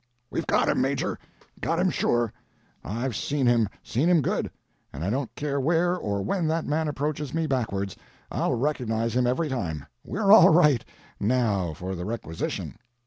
"We've got him, Major—got him sure! I've seen him—seen him good; and I don't care where or when that man approaches me backwards, I'll recognize him every time. We're all right. Now for the requisition."